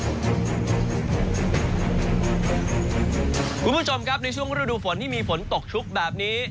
คุณผู้ชมครับในช่วงฤดูฝนที่มีฝนตกชุกแบบนี้